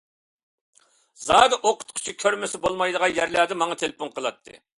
زادى ئوقۇتقۇچى كۆرمىسە بولمايدىغان يەرلەردە ماڭا تېلېفون قىلاتتى.